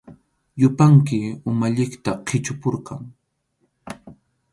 Yupanki umalliqta qichupurqan.